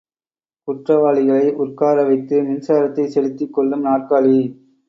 குற்றவாளிகளை உட்கார வைத்து மின்சாரத்தைச் செலுத்திக் கொல்லும் நாற்காலி.